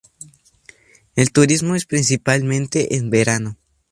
El turismo es principalmente en verano.